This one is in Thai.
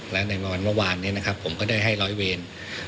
และในงานเมื่อวานนี้นะครับผมก็ได้ให้ร้อยเวร